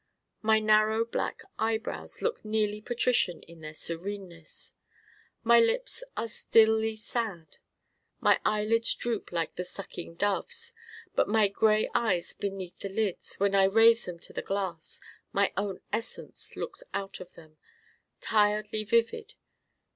My narrow black eyebrows look nearly patrician in their sereneness. My lips are stilly sad. My eyelids droop like the sucking dove's. But my gray eyes beneath the lids when I raise them to the glass, my own Essence looks out of them, tiredly vivid.